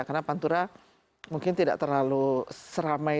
karena pantura mungkin tidak terlalu seramai